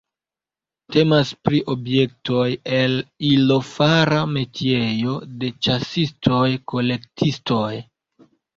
Temas pri objektoj el ilo-fara metiejo de ĉasistoj-kolektistoj.